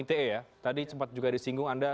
ite ya tadi sempat juga disinggung anda